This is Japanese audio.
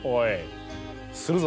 するぞ！